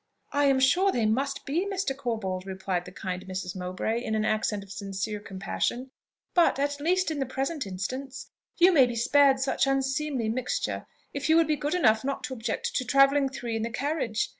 "I am sure they must be, Mr. Corbold," replied the kind Mrs. Mowbray in an accent of sincere compassion; "but, at least in the present instance, you may be spared such unseemly mixture, if you will be good enough not to object to travelling three in the carriage.